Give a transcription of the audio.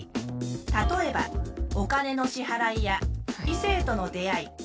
例えばお金の支払いや異性との出会い。